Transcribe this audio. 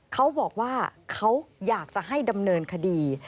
เขาบอกว่าเขาอยากจะให้ดำเนินคดี